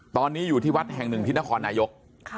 ตอนนี้อยู่ที่วัดแห่งหนึ่งที่นครนายก